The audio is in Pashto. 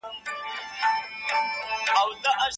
ما لېمه درته فرش کړي ما مي سترګي وې کرلي